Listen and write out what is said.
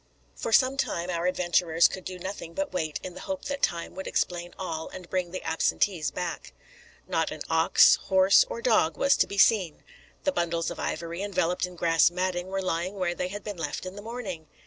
For some time our adventurers could do nothing but wait, in the hope that time would explain all, and bring the absentees back. Not an ox, horse, or dog was to be seen. The bundles of ivory, enveloped in grass matting, were lying where they had been left in the morning.